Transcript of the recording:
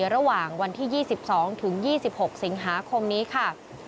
ระหว่างวันที่๒๒ถึง๒๖สิงหาคมนี้ค่ะ